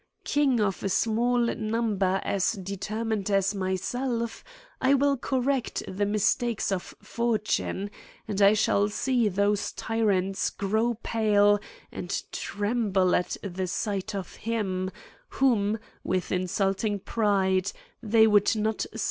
King of a small number as * determined as myself, I will correct the mis * takes of fortune, and I shall see those tyrants * grow pale and tremble at the sight of him, * whom, with insulting pride, they would not suf.